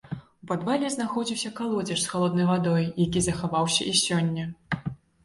У падвале знаходзіўся калодзеж з халоднай вадой, які захаваўся і сёння.